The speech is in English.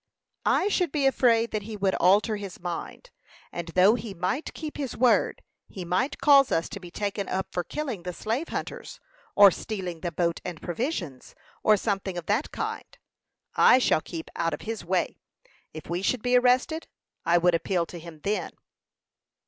"I should be afraid that he would alter his mind; and though he might keep his word, he might cause us to be taken up for killing the slave hunters, or stealing the boat and provisions, or something of that kind. I shall keep out of his way. If we should be arrested, I would appeal to him then."